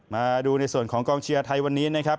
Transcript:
มาดูในส่วนของกองเชียร์ไทยวันนี้นะครับ